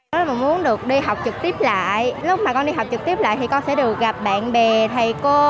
rất là muốn được đi học trực tiếp lại lúc mà con đi học trực tiếp lại thì con sẽ được gặp bạn bè thầy cô